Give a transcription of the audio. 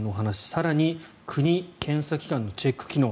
更に、国や検査機関のチェック機能。